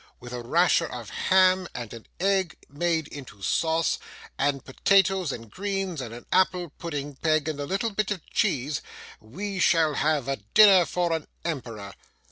'With a rasher of ham, and an egg made into sauce, and potatoes, and greens, and an apple pudding, Peg, and a little bit of cheese, we shall have a dinner for an emperor.